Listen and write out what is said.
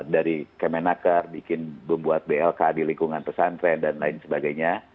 dari kemenaker bikin membuat blk di lingkungan pesantren dan lain sebagainya